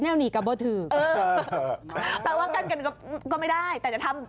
นอนสเปดกันได้เหรอ